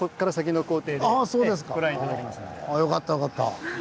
よかったよかった。